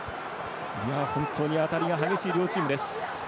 本当に当たりが激しい両チーム。